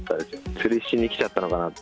釣りしに来ちゃったのかなと。